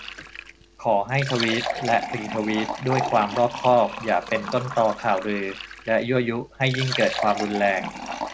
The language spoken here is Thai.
ขอให้ทวีต และ รีทวีต ด้วยความรอบคอบ อย่าเป็นต้นตอข่าวลือ และยั่วยุให้ยิ่งเกิดความรุนแรง